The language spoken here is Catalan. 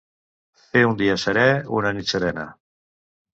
Fer un dia serè, una nit serena.